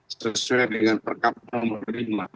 sesuai dengan perkab nomor lima